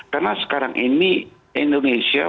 karena sekarang ini indonesia